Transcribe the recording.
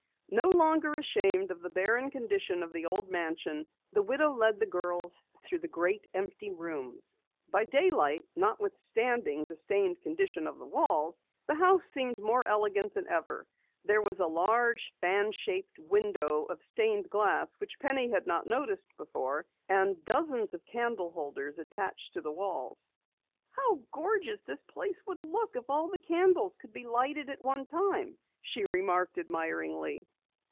No longer ashamed of the barren condition of the old mansion, the widow led the girls through the great empty rooms. By daylight, notwithstanding the stained condition of the walls, the house seemed more elegant than ever. There was a large fan shaped window of stained glass which Penny had not noticed before, and dozens of candle holders attached to the walls. "How gorgeous this place would look if all the candles could be lighted at one time," she remarked admiringly.